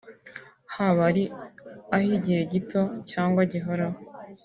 haba ari ah’igihe gito cyangwa gihoraho